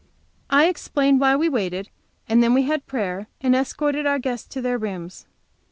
I explained why we waited, and then we had prayer and escorted our guests to their rooms.